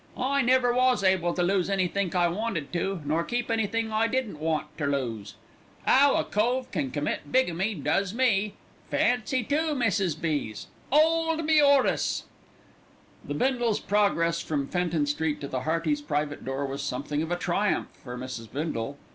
"I never was able to lose anythink I wanted to, nor keep anythink I didn't want ter lose. 'Ow a cove can commit bigamy does me. Fancy two Mrs. B.'s! 'Old me, 'Orace!" The Bindles' progress from Fenton Street to the Heartys' private door was something of a triumph for Mrs. Bindle.